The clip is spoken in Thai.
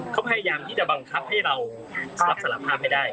เขาพยายามที่จะบังคับให้เรารับสารภาพไม่ได้